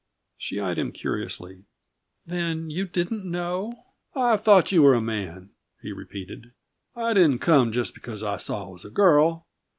She eyed him curiously. "Then you didn't know " "I thought you were a man," he repeated. "I didn't come just because I saw it was a girl.